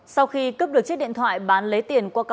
sau khi cướp được chiếc điện thoại bán lấy tiền qua cơ quan